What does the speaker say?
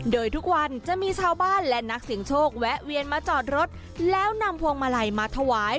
โดยทุกวันจะมีชาวบ้านและนักเสียงโชคแวะเวียนมาจอดรถแล้วนำพวงมาลัยมาถวาย